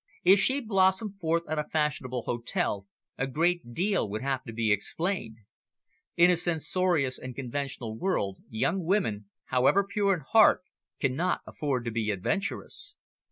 If she blossomed forth at a fashionable hotel, a great deal would have to be explained. In a censorious and conventional world, young women, however pure in heart, cannot afford to be adventurous.